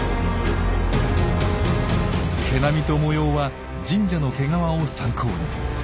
毛並みと模様は神社の毛皮を参考に。